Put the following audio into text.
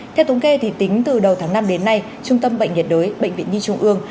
theo tống kê thì tính từ đầu tháng năm đến nay trung tâm bệnh nhiệt đối bệnh viện nhi trung ương